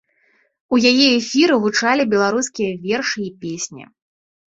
У яе эфіры гучалі беларускія вершы і песні.